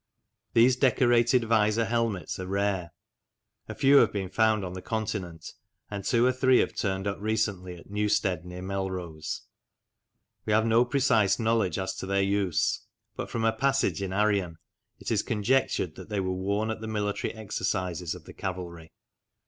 These decorated visor helmets are rare; a few have been found on the Continent, and two or three have turned up recently at Newstead, near Melrose. We have no precise knowledge as to their use, but from a passage in Arrian it is conjectured that they were worn at the military exercises of the cavalry.